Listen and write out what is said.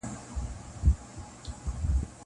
زړه یې ووتی له واکه نا آرام سو -